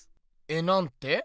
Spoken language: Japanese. えなんて？